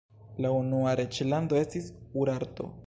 La unua reĝlando estis Urarto.